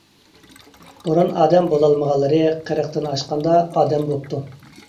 بۇرۇن ئادەم بولالمىغانلىرى قىرىقتىن ئاشقاندا ئادەم بوپتۇ.